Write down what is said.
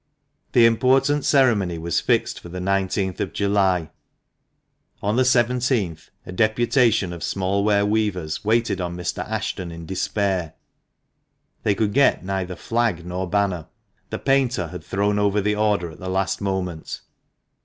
The important ceremony was fixed for the iQth of July. On the 1 7th a deputation of small ware weavers waited on Mr. Ashton in despair. They could get neither flag nor banner ; the painter had thrown over the order at the last moment.